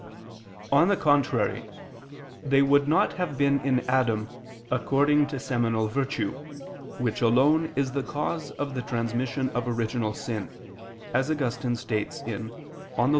On the contrary, They would not have been in Adam according to seminal virtue, which alone is the cause of the transmission of original sin, as Augustine states (Gen. ad lit.